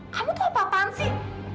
kamu tuh apaan sih